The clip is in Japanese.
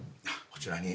こちらに。